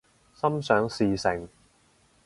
心想事成